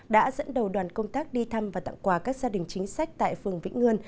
đã dẫn đầu đoàn công tác đi thăm và tặng quà các gia đình chính sách tại phường vĩnh ngươn